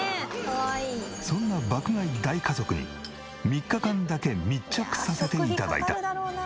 そんな爆買い大家族に３日間だけ密着させて頂いた。